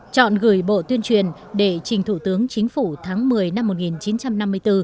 chọn gửi bộ tuyên truyền để trình thủ tướng chính phủ tháng một mươi năm một nghìn chín trăm năm mươi bốn